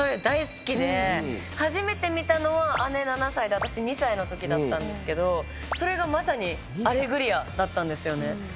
初めて見たのは姉７歳で私２歳のときだったんですけどそれがまさに『アレグリア』だったんですよね。